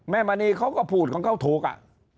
มณีเขาก็พูดของเขาถูกอ่ะ